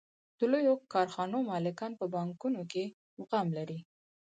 د لویو کارخانو مالکان په بانکونو کې مقام لري